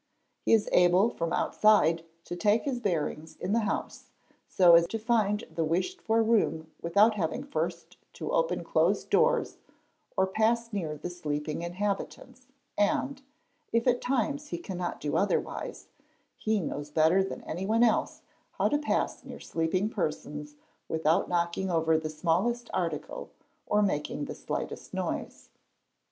He is able from outside to take his bearings in the house so is to find the wished for room without having first to open closed doors _ or pass near the sleeping inhabitants, and, if at times he cannot do other wise, he knows better than anyone else how to pass near sleeping persons "without knocking over the smallest article or making the slightest noise.